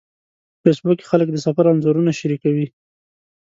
په فېسبوک کې خلک د سفر انځورونه شریکوي